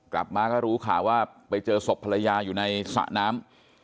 กลับมาก็รู้ข่าวว่าไปเจอศพภรรยาอยู่ในสระน้ำ